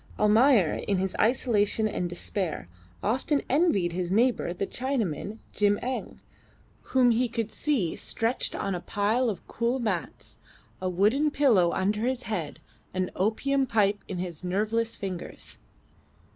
Almayer, in his isolation and despair, often envied his near neighbour the Chinaman, Jim Eng, whom he could see stretched on a pile of cool mats, a wooden pillow under his head, an opium pipe in his nerveless fingers.